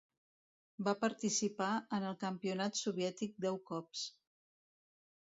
Va participar en el Campionat soviètic deu cops.